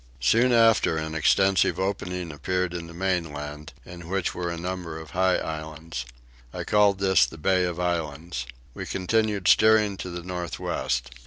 Soon after an extensive opening appeared in the mainland, in which were a number of high islands. I called this the Bay of Islands. We continued steering to the north west.